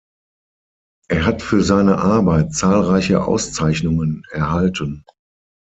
Er hat für seine Arbeit zahlreiche Auszeichnungen erhalten.